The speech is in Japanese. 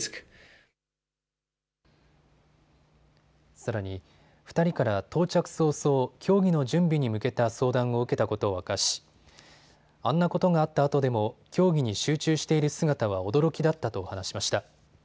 さらに、２人から到着早々、競技の準備に向けた相談を受けたことを明かし、あんなことがあったあとでも競技に集中している姿は驚きだったと話しました。